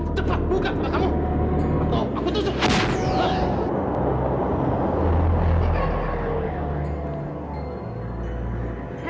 atau aku tusuk